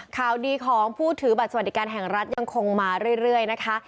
ข่าวดีของผู้ถือบัตรสวัสดิการแห่งรัฐยังคงมาเรื่อยนะคะ